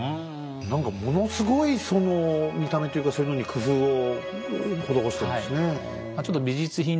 何かものすごいその見た目というかそういうのに工夫を施してるんですね。